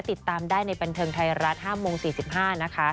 ติดตามได้ในบันเทิงไทยรัฐ๕โมง๔๕นะคะ